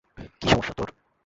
কী সমস্যা তোর?